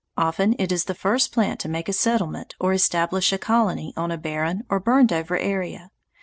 Often it is the first plant to make a settlement or establish a colony on a barren or burned over area.